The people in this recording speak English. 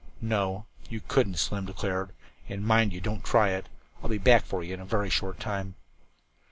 "No, you couldn't," Slim declared, "and mind you don't try it. I'll be back for you in a very short time."